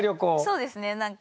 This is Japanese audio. そうですねなんか。